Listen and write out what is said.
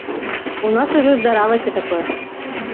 У нас ужо здаралася такое.